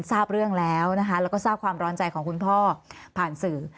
ทราบเรื่องแล้วนะคะแล้วก็ทราบความร้อนใจของคุณพ่อผ่านสื่อ